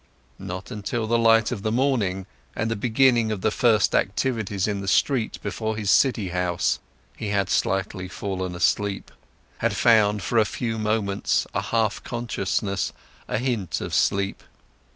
Not until the light of the morning and the beginning of the first activities in the street before his city house, he had slightly fallen asleep, had found for a few moments a half unconsciousness, a hint of sleep.